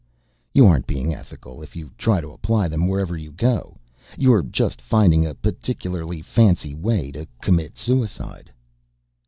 You aren't being ethical if you try to apply them wherever you go you're just finding a particularly fancy way to commit suicide!"